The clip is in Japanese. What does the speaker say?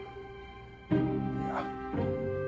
いや。